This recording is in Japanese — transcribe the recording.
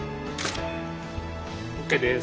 ＯＫです。